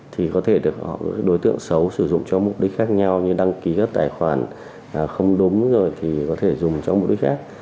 thì có thể được đối tượng xấu sử dụng cho mục đích khác nhau như đăng ký các tài khoản không đúng rồi thì có thể dùng cho mục đích khác